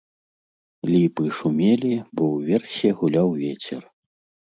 Ліпы шумелі, бо ўверсе гуляў вецер.